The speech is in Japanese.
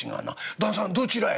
『旦さんどちらへ？』。